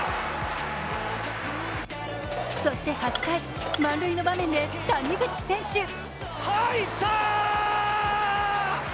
そして８回、満塁の場面で谷口選手。